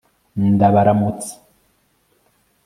ndabaramutsa